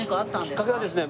きっかけはですね